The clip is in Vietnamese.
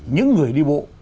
những người đi bộ